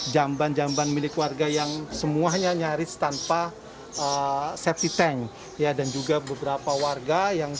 jamban jamban milik warga yang semuanya nyaris tanpa safety tank ya dan juga beberapa warga yang